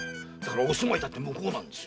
お住まいだって向こうなんです。